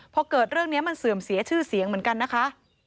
พอเกิดเรื่องนี้มันเสื่อมเสียชื่อเสียงเหมือนกันนะคะ